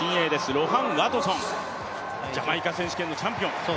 ロハン・ワトソン、ジャマイカ選手権のチャンピオン。